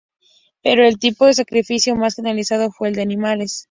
Pero el tipo de sacrificio más generalizado fue el de animales.